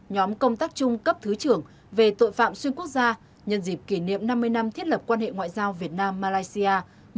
nhóm công tác chung cấp thứ trưởng về tội phạm xuyên quốc gia nhân dịp kỷ niệm năm mươi năm thiết lập quan hệ ngoại giao việt nam malaysia một nghìn chín trăm bảy mươi ba hai nghìn hai mươi ba